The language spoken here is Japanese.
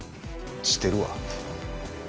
「してるわ」